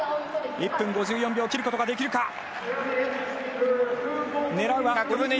１分５４秒を切ることができるか。